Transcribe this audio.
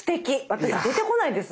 私出てこないです